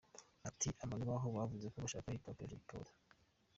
Ati, “Abantu baho bavuze ko bashaka Hip Hop ya Jay Polly.